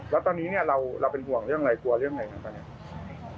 แล้วตอนนี้เนี่ยเราเป็นห่วงเรื่องอะไรกลัวเรื่องไงครับตอนนี้